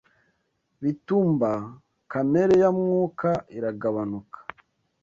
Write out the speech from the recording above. Bitumba kamere ya Mwuka iragabanuka.